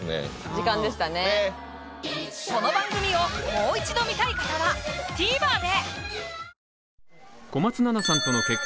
時間でしたねねっこの番組をもう一度観たい方はＴＶｅｒで！